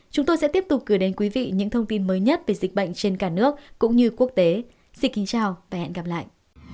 chúng tôi sẽ tiếp tục gửi đến quý vị những thông tin mới nhất về dịch bệnh trên cả nước cũng như quốc tế xin kính chào và hẹn gặp lại